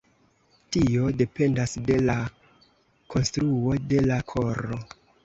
Tio dependas de la konstruo de la koro.